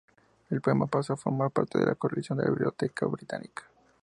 El poema pasó a formar parte de la colección de la Biblioteca Británica.